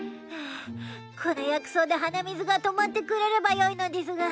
この薬草で鼻水が止まってくれればよいのでぃすが。